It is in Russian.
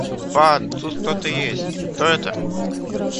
Ба, да тут кто-то есть. Кто это?